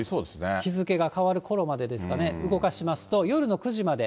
日付が変わるころまでですかね、動かしますと、夜の９時まで。